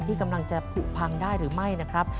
ที่กำลังจะผูกพังได้หรือไม่นะครับ